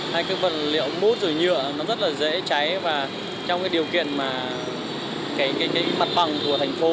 hay cái vật liệu mút rồi nhựa nó rất là dễ cháy và trong cái điều kiện mà cái mặt bằng của thành phố